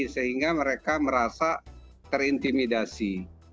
sehingga mereka merasa terintimidasi